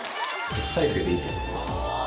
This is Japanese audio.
特待生でいいと思います。